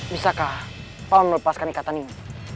bisakah allah melepaskan ikatan ini